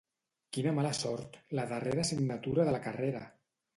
Quina mala sort, la darrera assignatura de la carrera!